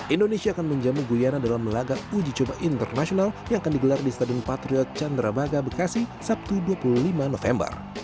indonesia akan menjamu guyana dalam laga uji coba internasional yang akan digelar di stadion patriot candrabaga bekasi sabtu dua puluh lima november